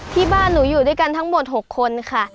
ที่บ้านหนูอยู่ด้วยกันทั้งหมด๖คนค่ะ